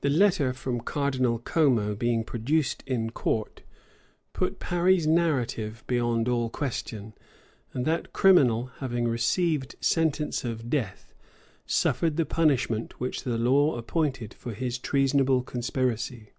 The letter from Cardinal Como, being produced in court, put Parry's narrative beyond all question; and that criminal, having received sentence of death,[*] suffered the punishment which the law appointed for his treasonable conspiracy.